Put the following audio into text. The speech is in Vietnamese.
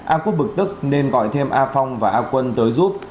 a quốc bực tức nên gọi thêm a phong và a quân tới giúp